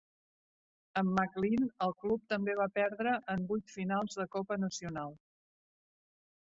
Amb McLean, el club també va perdre en vuit finals de copa nacional.